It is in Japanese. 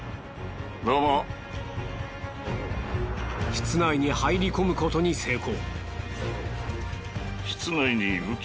室内に入り込むことに成功。